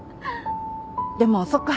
でもそっか。